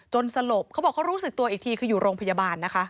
สลบเขาบอกเขารู้สึกตัวอีกทีคืออยู่โรงพยาบาลนะคะ